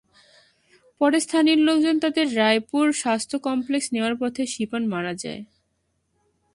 পরে স্থানীয় লোকজন তাঁদের রায়পুর স্বাস্থ্য কমপ্লেক্সে নেওয়ার পথে শিপন মারা যায়।